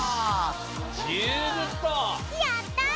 やった！